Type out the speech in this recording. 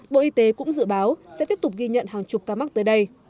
bộ y tế cũng dự báo sẽ tiếp tục ghi nhận hàng chục ca mắc tới đây